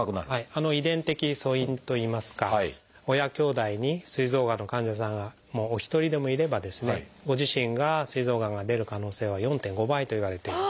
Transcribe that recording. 遺伝的素因といいますか親きょうだいにすい臓がんの患者さんがお一人でもいればご自身がすい臓がんが出る可能性は４．５倍といわれている。